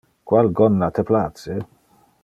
Qual gonna te place?